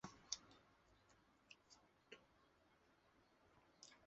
接二连三的在这附近的金字塔当中陆续了也发现了该文字并将它称为金字塔文本。